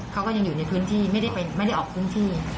เขาก็ยังอยู่ในพื้นที่ไม่ได้ออกพื้นที่